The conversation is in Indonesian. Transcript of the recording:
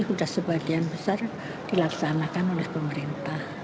sudah sebagian besar dilaksanakan oleh pemerintah